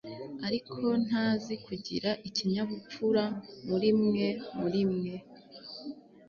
ariko ntazi kugira ikinyabupfura murimwe murimwe